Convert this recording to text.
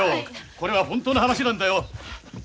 これは本当の話なんだよ！